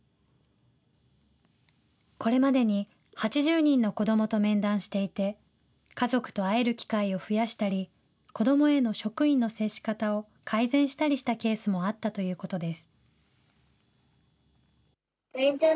これまでに８０人の子どもと面談していて、家族と会える機会を増やしたり、子どもへの職員の接し方を改善したりしたケースもあったということです。